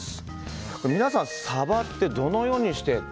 皆さん、サバってどのようにして。